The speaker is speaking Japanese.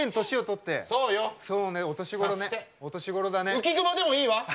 浮雲でもいいわ！